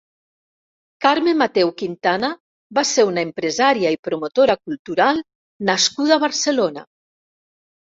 Carme Mateu Quintana va ser una empresària i promotora cultural nascuda a Barcelona.